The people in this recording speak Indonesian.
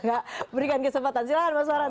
gak memberikan kesempatan silahkan mas farhan